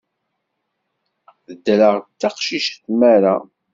Ddreɣ-d d taqcict s tmara.